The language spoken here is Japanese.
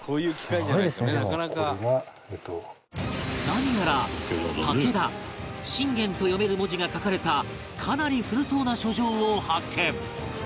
何やら「武田」「信玄」と読める文字が書かれたかなり古そうな書状を発見！